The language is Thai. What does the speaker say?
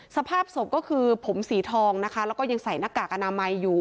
สภาพศพก็คือผมสีทองนะคะแล้วก็ยังใส่หน้ากากอนามัยอยู่